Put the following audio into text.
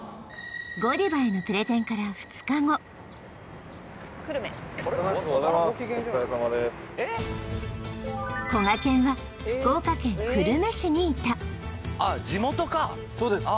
ＧＯＤＩＶＡへのプレゼンから２日後こがけんは福岡県久留米市にいたそうです